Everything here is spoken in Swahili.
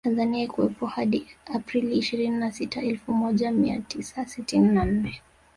Tanzania haikuwepo hadi Aprili ishirini na sita Elfu moja mia tisa sitini na nne